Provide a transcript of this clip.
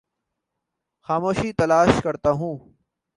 خاموشی تلاش کرتا ہوں